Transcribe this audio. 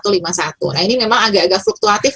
nah ini memang agak agak fluktuatif